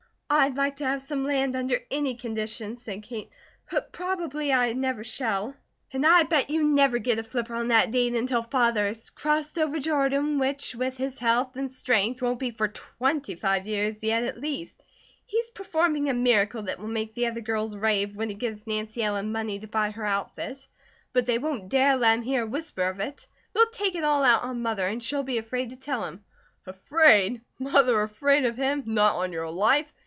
"I'd like to have some land under any conditions," said Kate, "but probably I never shall. And I bet you never get a flipper on that deed until Father has crossed over Jordan, which with his health and strength won't be for twenty five years yet at least. He's performing a miracle that will make the other girls rave, when he gives Nancy Ellen money to buy her outfit; but they won't dare let him hear a whisper of it. They'll take it all out on Mother, and she'll be afraid to tell him." "Afraid? Mother afraid of him? Not on your life.